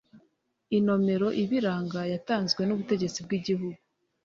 inomero ibiranga yatanzwe n'ubutegetsi bw'igihugu